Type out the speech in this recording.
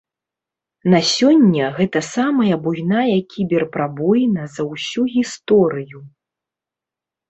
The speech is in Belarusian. На сёння гэта самая буйная кібер-прабоіна за ўсю гісторыю.